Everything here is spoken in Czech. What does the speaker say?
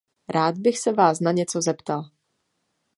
Rád bych se vás na něco zeptal.